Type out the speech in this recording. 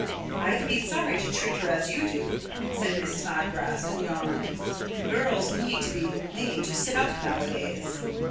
"I'd be sorry to treat her as you do," said Miss Snodgrass, and yawned. "Girls need to be made to sit up nowadays."